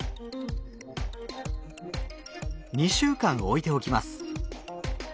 ２週間置いておきます。